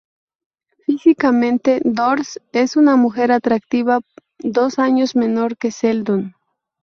Físicamente, Dors es una mujer atractiva dos años menor que Seldon.